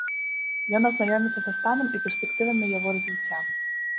Ён азнаёміцца са станам і перспектывамі яго развіцця.